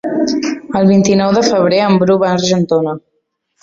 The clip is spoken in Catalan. El vint-i-nou de febrer en Bru va a Argentona.